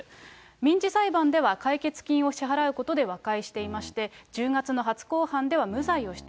民事裁判では解決金を支払うことで和解していまして、１０月の初公判では無罪を主張。